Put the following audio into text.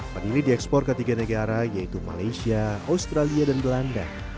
vanili diekspor ke tiga negara yaitu malaysia australia dan belanda